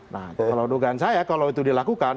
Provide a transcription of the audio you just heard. nah kalau dugaan saya kalau itu dilakukan